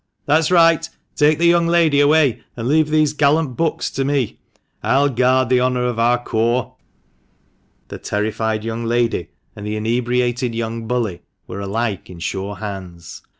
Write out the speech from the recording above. " That's right ; take the young lady away, and leave these gallant bucks to me. I'll guard the honour of our corps." The terrified young lady and the inebriated young bully were alike in sure hands.